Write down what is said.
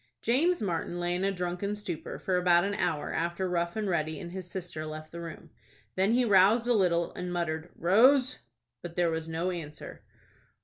James Martin lay in a drunken stupor for about an hour after Rough and Ready and his sister left the room. Then he roused a little, and muttered "Rose." But there was no answer.